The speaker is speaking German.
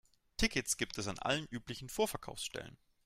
Tickets gibt es an allen üblichen Vorverkaufsstellen.